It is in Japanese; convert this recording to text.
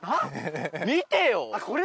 見てよ！